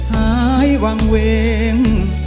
หายวางเวง